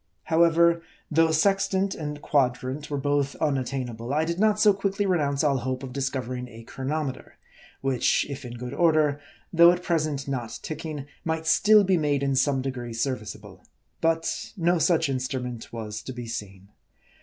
However, though sextant and quadrant were both unat tainable, I did not so quickly renounce all hope of discover ing a chronometer, which, if in good order, though at present not ticking, might still be made in some degree serviceable. 114 MABDI. But no such instrument was to be seen.